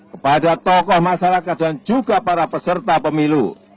kepada tokoh masyarakat dan juga para peserta pemilu